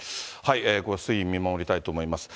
推移見守りたいと思います。